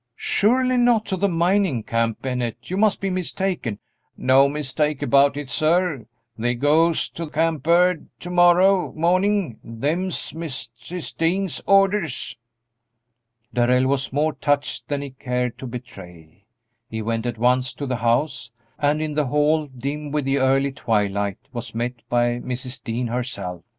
"Surely not to the mining camp, Bennett; you must be mistaken." "No mistake about it, sir; they goes to Camp Bird to morrow morning; them's Mrs. Dean's orders." Darrell was more touched than he cared to betray. He went at once to the house, and in the hall, dim with the early twilight, was met by Mrs. Dean herself.